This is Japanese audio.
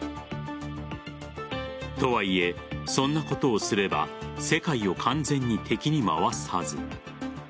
とはいえ、そんなことをすれば世界を完全に敵に回すはず。